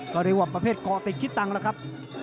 ก็เรียกว่าประเภทก่อติดคิดตังค์แล้วครับ